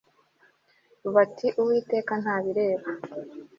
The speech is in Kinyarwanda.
bati uwiteka ntabireba